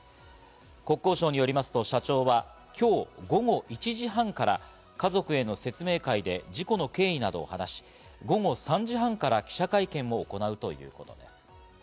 国交省によりますと、社長は今日午後１時半から家族への説明会で事故の経緯などを話し、午後３時半から記者会見を行うということです。